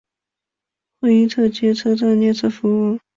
霍伊特街车站列车服务。